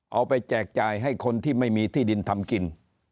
แจกจ่ายให้คนที่ไม่มีที่ดินทำกิน